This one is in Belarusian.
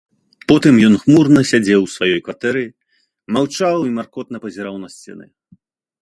Потым ён хмурна сядзеў у сваёй кватэры, маўчаў і маркотна пазіраў на сцены.